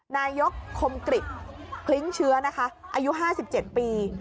นายกคมกริจพลิ้งเชื้อนะคะอายุ๕๗ปี